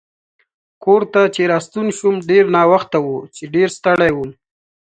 کور ته چې راستون شوم ډېر ناوخته و چې ډېر ستړی وم.